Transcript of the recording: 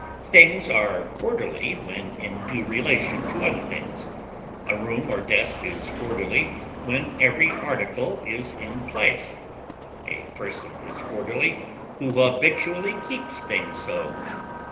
Things are orderly when in due relation to other things; a room or desk is orderly when every article is in place; a person is orderly who habitually keeps things so.